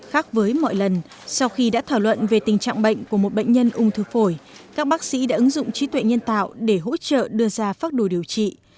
khác với mọi lần sau khi đã thảo luận về tình trạng bệnh của một bệnh nhân ung thư phổi các bác sĩ đã ứng dụng trí tuệ nhân tạo để hỗ trợ đưa ra pháp đồ điều trị